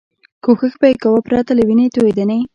کوښښ به یې کاوه پرته له وینې توېدنې.